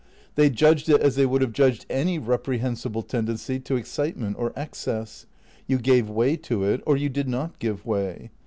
They judged it as they would have judged any reprehensible tendency to excitement or excess. You gave way to it or you did not give way.